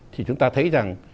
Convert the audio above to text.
thì chúng ta thấy rằng